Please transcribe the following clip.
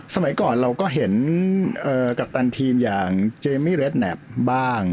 สมัยก่อนเราก็เห็นกัปตันทีมอย่างเจมมี่เรดแนบบ้าง